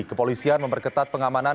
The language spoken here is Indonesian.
kepolisian memperketat pengamanan